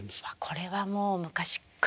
これはもう昔っからですね。